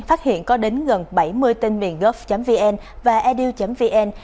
phát hiện có đến gần bảy mươi tên miền gốc vn và edu vn